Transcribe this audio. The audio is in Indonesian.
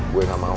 gue gak mau